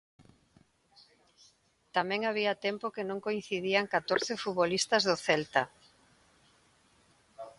Tamén había tempo que non coincidían catorce futbolistas do Celta.